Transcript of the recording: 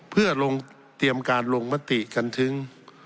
เพื่อลงเตรียมการลงมติกันถึง